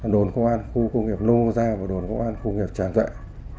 đồn công an khu công nghiệp lô gia và đồn công an khu công nghiệp tràng dạy